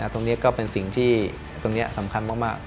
ตรงนี้ก็เป็นสิ่งที่ตรงนี้สำคัญมาก